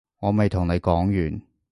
我未同你講完